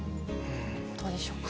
どうでしょうか。